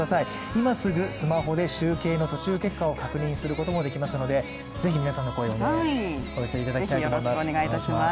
今すぐスマホで集計の途中経過を確認することもできますのでぜひ、皆さんの声をお寄せいただきたいと思います。